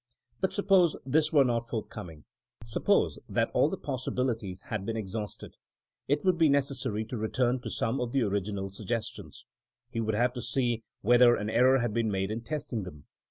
But suppose this were not forthcoming, suppose that all the possibilities had been exhausted. It would be necessary to return to some of the original suggestions. He would have to see whether an error had been made in testing them.